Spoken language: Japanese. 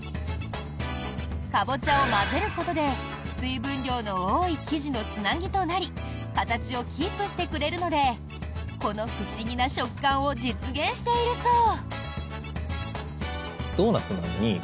カボチャを混ぜることで水分量の多い生地のつなぎとなり形をキープしてくれるのでこの不思議な食感を実現しているそう。